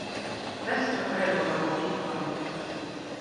Pesto prenu la botiston!